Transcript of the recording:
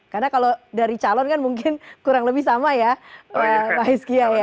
karena kalau dari calon kan mungkin kurang lebih sama ya pak iskia ya